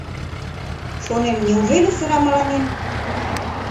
Шонем, неужели сыра мыланем?